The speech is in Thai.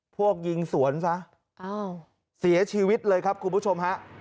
พวกยิงสวนซะเสียชีวิตเลยครับคุณผู้ชมฮะ